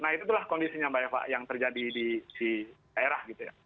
nah itulah kondisinya mbak eva yang terjadi di si daerah gitu ya